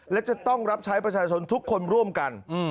และจะต้องรับใช้ประชาชนทุกคนร่วมกัน